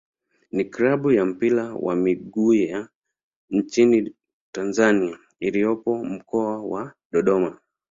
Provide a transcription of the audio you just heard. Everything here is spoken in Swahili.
ni klabu ya mpira wa miguu ya nchini Tanzania iliyopo Mkoa wa Dodoma.